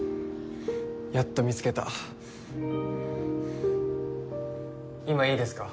やっと見つけた今いいですか？